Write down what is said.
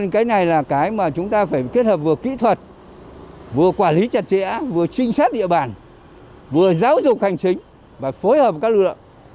cái mà chúng ta phải kết hợp vừa kỹ thuật vừa quản lý chặt chẽ vừa trinh sát địa bản vừa giáo dục hành chính và phối hợp các lựa